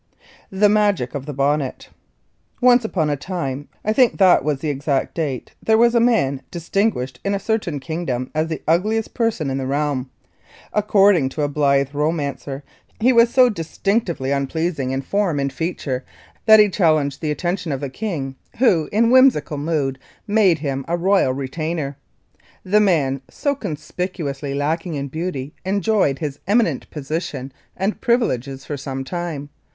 The Magic of The Bonnet. Once upon a time, I think that was the exact date, there was a man distinguished in a certain kingdom as the ugliest person in the realm. According to a blithe romancer, he was so distinctively unpleasing in form and feature that he challenged the attention of the king who, in whimsical mood, made him a royal retainer. The man so conspicuously lacking in beauty enjoyed his eminent position and privileges for some time.